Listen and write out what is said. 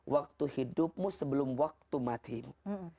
waktu hidupmu sebelum waktu matimu